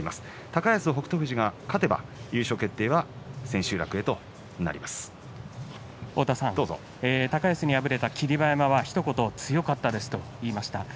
高安と北勝富士が勝てば高安に敗れた霧馬山はひと言強かったですと言いました。